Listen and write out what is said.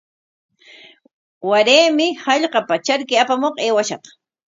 Waraymi hallqapa charki apamuq aywashaq.